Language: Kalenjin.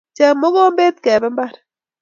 Cheny mokombe kebe mbar